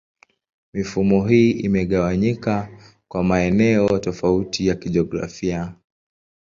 Mifumo hii imegawanyika kwa maeneo tofauti ya kijiografia.